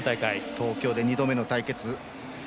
東京で２度目の対決。